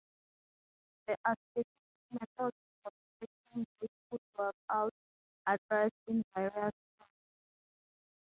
There are specific methods for stretching this footwork out addressed in various forms.